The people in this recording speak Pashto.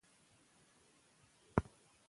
موږ به تر هغه وخته هڅه کوو چې بریالي سو.